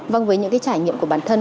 vâng với những trải nghiệm của bản thân